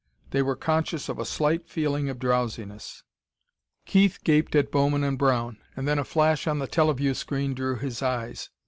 They were conscious of a slight feeling of drowsiness. Keith gaped at Bowman and Brown, and then a flash on the teleview screen drew his eyes.